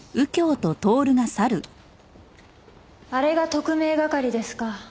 あれが特命係ですか。